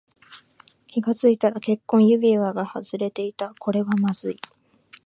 気がついたら結婚指輪が外れていた。これはまずい。